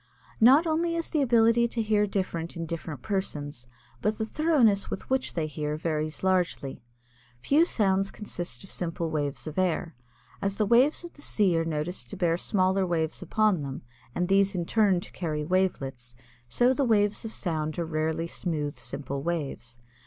Not only is the ability to hear different in different persons, but the thoroughness with which they hear varies largely. Few sounds consist of simple waves of air. As the waves of the sea are noticed to bear smaller waves upon them and these in turn to carry wavelets, so the waves of sound are rarely smooth, simple waves.